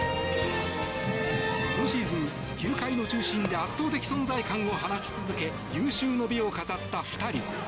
今シーズン球界の中心で圧倒的存在感を放ち続け有終の美を飾った２人。